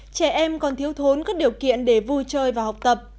trẻ em còn thiếu thốn các điều kiện để vui chơi và học tập